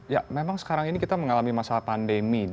ya memang sekarang ini kita mengalami masa pandemi